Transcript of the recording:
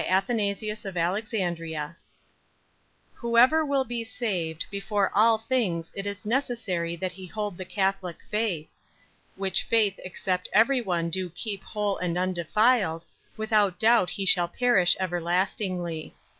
Whosoever will be saved, before all things it is necessary that he hold the catholic faith; 2. Which faith except every one do keep whole and undefiled, without doubt he shall perish everlastingly.